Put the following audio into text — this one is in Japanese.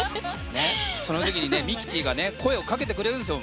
その時にミキティが声をかけてくれるんですよ。